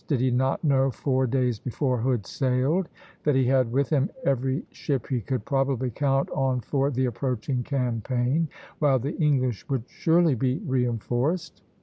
Did he not know, four days before Hood sailed, that he had with him every ship he could probably count on for the approaching campaign, while the English would surely be reinforced?